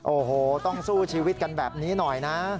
โอ้โหต้องสู้ชีวิตกันแบบนี้หน่อยนะ